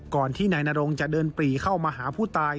ก่อนที่นายนรงจะเดินปรีเข้ามาหาผู้ตาย